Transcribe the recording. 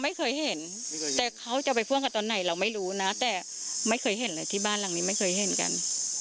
ไม่เคยเห็นแต่เขาจะไปพ่วงกันตอนไหนเราไม่รู้นะแต่ไม่เคยเห็นเลยที่บ้านหลังนี้ไม่เคยเห็นกัน